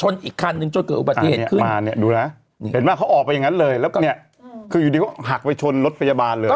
แล้วก็เนี้ยคืออยู่ดิก็หักไปชนรถประยะบาลเลย